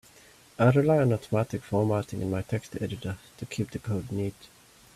I rely on automatic formatting in my text editor to keep the code neat.